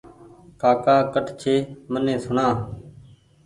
ڪاڪا ڪٺ ڇي ميٚن سوڻا